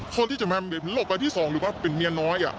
คนที่จะมาหลบไปที่สองหรือว่าเป็นเมียน้อย